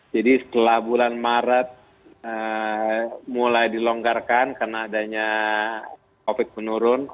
jadi setelah bulan maret mulai dilonggarkan karena adanya covid menurun